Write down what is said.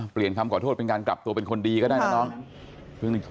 เปลี่ยนคำขอโทษเป็นการกลับตัวเป็นคนดีก็ได้นะน้อง